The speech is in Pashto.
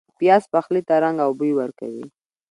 پیاز پخلي ته رنګ او بوی ورکوي